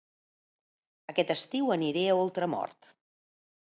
Aquest estiu aniré a Ultramort